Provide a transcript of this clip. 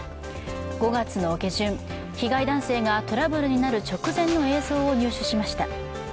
５月下旬、被害男性がトラブルになる直前の映像を入手しました。